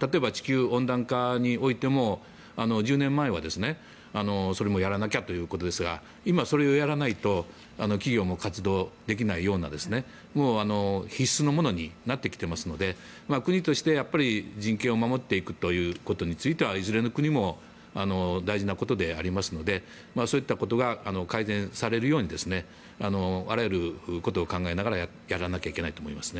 例えば地球温暖化においても１０年前はそれもやらなきゃということですが今それをやらないと企業も活動できないような必須のものになってきてますので国としても人権を守っていくことについてはいずれの国も大事なことでありますのでそういったことが改善されるようにあらゆることを考えながらやらなきゃいけないと思います。